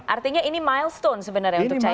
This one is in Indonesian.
artinya ini milestone sebenarnya untuk caimin kan